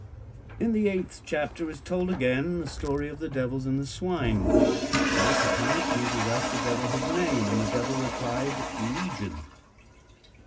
In the eighth chapter is told again the story of the devils and the swine. In this account, Jesus asked the devil his name, and the devil replied "Legion."